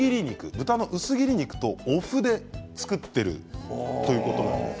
豚の薄切り肉とお麩で作っているということなんです。